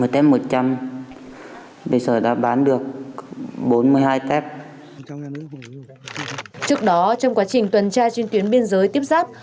trước đó trong quá trình tuần tra trên tuyến biên giới tiếp giáp